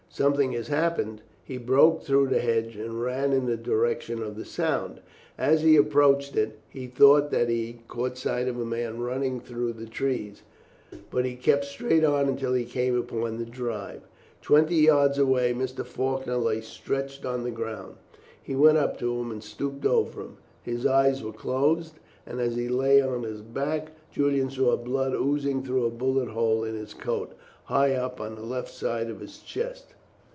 something has happened!" he broke through the hedge and ran in the direction of the sound. As he approached it he thought that he caught sight of a man running through the trees, but he kept straight on until he came upon the drive. Twenty yards away Mr. Faulkner lay stretched on the ground. He went up to him, and stooped over him. His eyes were closed, and as he lay on his back Julian saw blood oozing through a bullet hole in his coat high up on the left side of the chest.